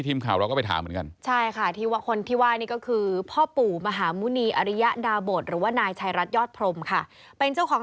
ทีมข่าวเราก็ไปถามเหมือนกัน